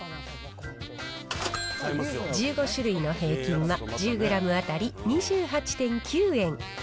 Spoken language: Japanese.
１５種類の平均は１０グラム当たり２８．９円。